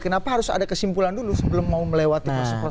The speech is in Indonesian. kenapa harus ada kesimpulan dulu sebelum mau melewati proses proses